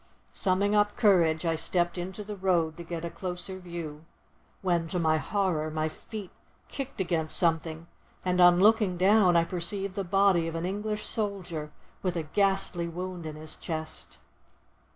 Summing up courage, I stepped into the road to get a closer view, when to my horror my feet kicked against something, and, on looking down, I perceived the body of an English soldier, with a ghastly wound in his chest.